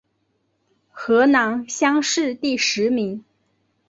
河南乡试第十名。